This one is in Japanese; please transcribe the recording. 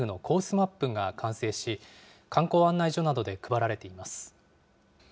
マップが完成し、観光案内所などで配られています。